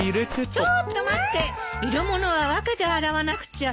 ちょっと待って色物は分けて洗わなくちゃ。